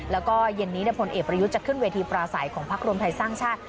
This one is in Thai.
แล้วก็เย็นนี้พลเอกประยุทธ์จะขึ้นเวทีปราศัยของพักรวมไทยสร้างชาติ